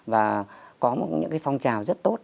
và có những phong trào rất tốt